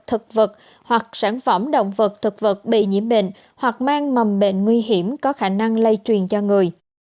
thực vật hoặc sản phẩm động vật thực vật bị nhiễm bệnh hoặc mang mầm bệnh nguy hiểm có khả năng lây truyền cho người